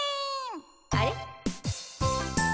あれ？